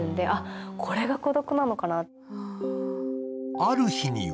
ある日には